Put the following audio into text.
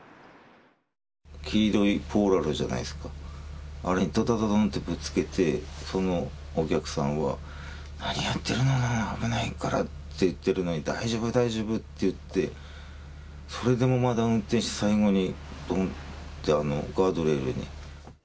黄色いポールあるじゃないですか、あれにどどどどってぶつけて、そのお客さんは、何やってるの、危ないからって、言ってるのに、大丈夫、大丈夫って言って、それでもまだ運転して、最後にどんって、ガードレールに。